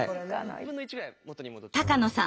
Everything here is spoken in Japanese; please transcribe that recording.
高野さん